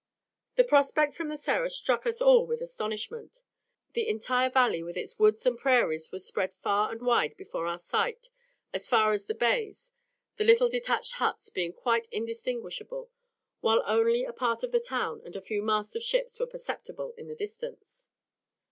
The prospect from the Serra struck us all with astonishment. The entire valley with its woods and prairies was spread far and wide before our sight as far as the bays, the little detached huts being quite indistinguishable, while only a part of the town and a few masts of ships were perceptible in the distance.